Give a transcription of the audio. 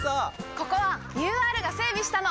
ここはＵＲが整備したの！